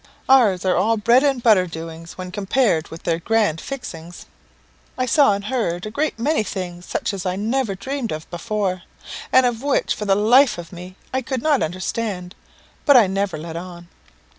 Ours are all bread and butter doings when compared with their grand fixings. I saw and heard a great many things, such as I never dreamed of before, and which for the life of me I could not understand; but I never let on.